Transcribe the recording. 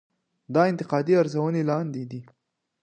دا انتقادي ارزونې لاندې ده.